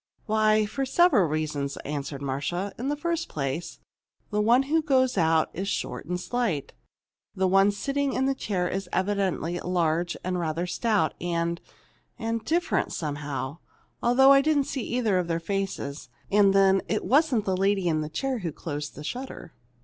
"Why, for several reasons," answered Marcia. "In the first place, the one who goes out is short and slight. The one sitting in the chair was evidently large, and rather stout, and and different, somehow, although I didn't see either of their faces. And then, it wasn't the lady in the chair who closed the shutter.